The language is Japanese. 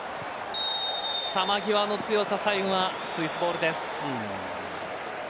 球際の強さ最後はスイスボールです。